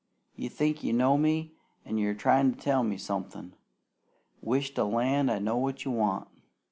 "You think you know me, an' you are tryin' to tell me somethin'. Wish to land I knowed what you want!